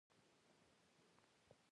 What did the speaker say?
زه باید تل پر مخ ولاړ شم او و نه درېږم